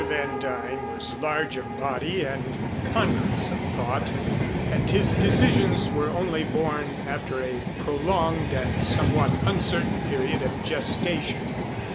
Van Duyn was large of body and ponderous of thought, and his decisions were only born after a prolonged and somewhat uncertain period of gestation.